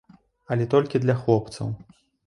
Але толькі для хлопцаў.